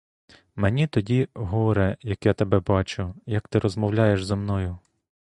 Мені тоді горе, як я тебе бачу, як ти розмовляєш зо мною.